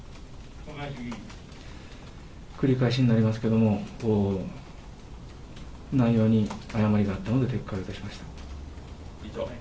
繰り返しになりますけども内容に誤りがあったので撤回をいたしました。